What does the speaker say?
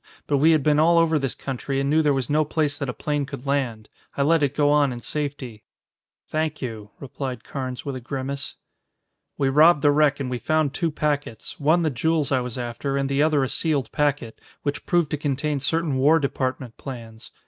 But we had been all over this country and knew there was no place that a plane could land. I let it go on in safety." "Thank you," replied Carnes with a grimace. "We robbed the wreck and we found two packets, one the jewels I was after, and the other a sealed packet, which proved to contain certain War Department plans.